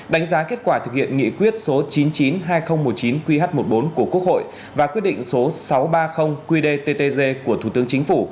đánh giá kết quả thực hiện nghị quyết số chín trăm chín mươi hai nghìn một mươi chín qh một mươi bốn của quốc hội và quyết định số sáu trăm ba mươi qdttg của thủ tướng chính phủ